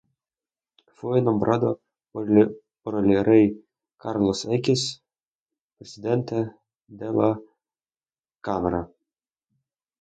Fue nombrado por el rey Carlos X Presidente de la Cámara.